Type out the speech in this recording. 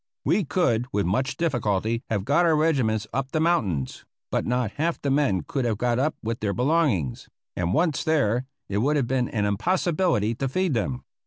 We could, with much difficulty, have got our regiments up the mountains, but not half the men could have got up with their belongings; and once there it would have been an impossibility to feed them.